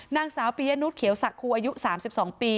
นางสาวภิญญนุสเขียวศักดาลคู่อายุ๓๒ปี